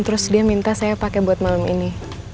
terus dia minta saya pakai buat malam ini